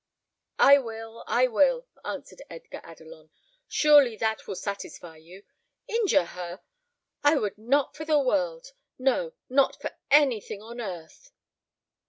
"I will, I will!" answered Edgar Adelon; "surely that will satisfy you. Injure her! I would not for the world; no, not for anything on earth."